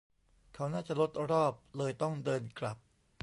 เขาน่าจะลดรอบ เลยต้องเดินกลับ